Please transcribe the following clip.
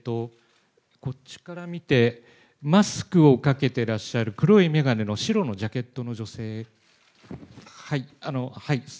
こっちから見て、マスクをかけていらっしゃる黒い眼鏡の白のジャケットの女性。